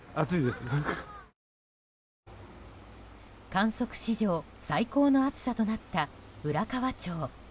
観測史上最高の暑さとなった浦河町。